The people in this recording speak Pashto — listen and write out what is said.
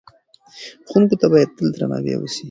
ښوونکو ته باید تل درناوی وسي.